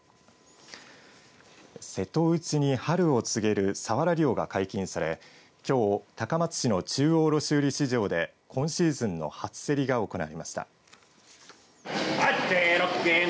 瀬戸内に春を告げるサワラ漁が解禁されきょう、高松市の中央卸売市場で今シーズンの初競りが行われました。